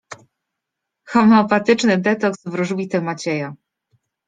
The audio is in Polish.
Homeopatyczny detoks wróżbity Macieja.